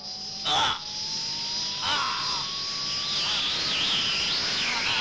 ああ！